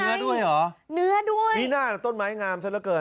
เนื้อด้วยเหรอเนื้อด้วยมีหน้าต้นไม้งามซะละเกิน